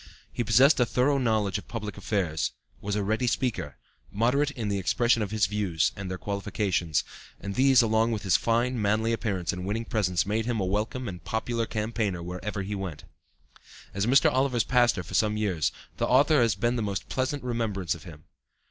He possessed a thorough knowledge of public affairs, was a ready speaker, moderate in the expression of his views and their qualifications, and these along with his fine, manly appearance and winning presence made him a welcome and popular campaigner whereever he went. As Mr. Oliver's pastor for some years, the author has the most pleasant remembrance of him.